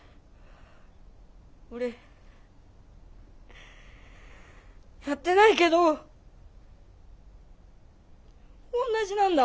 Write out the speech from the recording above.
俺やってないけどおんなじなんだ。